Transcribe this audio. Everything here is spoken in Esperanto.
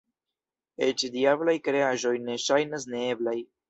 Eĉ diablaj kreaĵoj ne ŝajnas neeblaj.